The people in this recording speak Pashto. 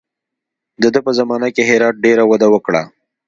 د ده په زمانه کې هرات ډېره وده وکړه.